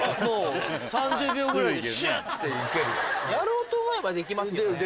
やろうと思えばできますけどね。